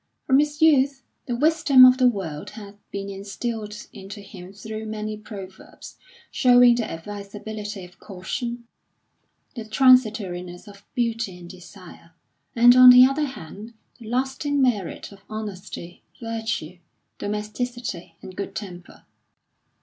From his youth, the wisdom of the world had been instilled into him through many proverbs, showing the advisability of caution, the transitoriness of beauty and desire; and, on the other hand, the lasting merit of honesty, virtue, domesticity, and good temper....